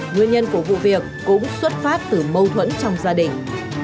nguyên nhân của vụ việc cũng xuất phát từ mâu thuẫn trong gia đình